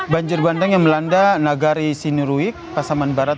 banjir bandang yang melanda nagari sinuruik pasaman barat